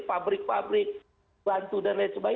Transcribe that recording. pabrik pabrik bantu dan lain sebagainya